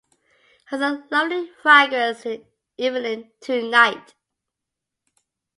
Has a lovely fragrance in the evening to night.